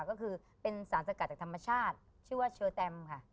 ก็คือเป็นสารสกัดจากธรรมชาติชื่อว่าเชอแตมค่ะ